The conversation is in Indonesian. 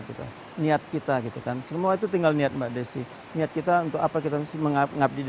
kita niat kita gitu kan semua itu tinggal niat mbak desi niat kita untuk apa kita mengabdi